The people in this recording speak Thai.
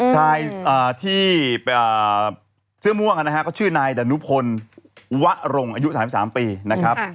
ชายที่เสื้อม่วงนะฮะเขาชื่อนายดานุพลวะรงอายุ๓๓ปีนะครับ